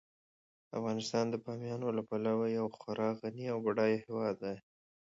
افغانستان د بامیان له پلوه یو خورا غني او بډایه هیواد دی.